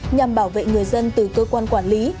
nhằm bảo vệ người dân từ cơ quan quản lý